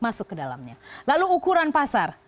masuk ke dalamnya lalu ukuran pasar